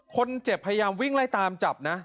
คนเจ็บพยายามวิ่งไล่ตามจับนะ